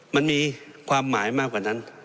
มันมีความหมายมากกว่านั้น